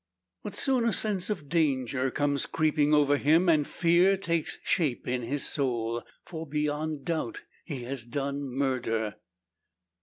But soon, a sense of danger comes creeping over him, and fear takes shape in his soul. For, beyond doubt, he has done murder.